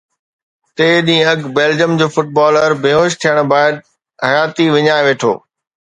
ٽي ڏينهن اڳ بيلجيئم جو فٽبالر بي هوش ٿيڻ بعد حياتي وڃائي ويٺو